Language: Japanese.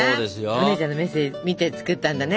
お姉ちゃんのメッセージ見て作ったんだね。